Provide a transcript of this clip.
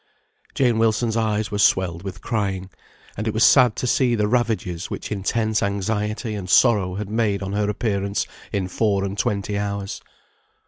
Jane Wilson's eyes were swelled with crying; and it was sad to see the ravages which intense anxiety and sorrow had made on her appearance in four and twenty hours.